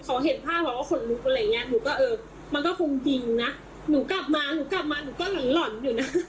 เขาเห็นภาพเขาว่าคนลุกอะไรอย่างเงี้ยหนูก็เออมันก็คงจริงนะ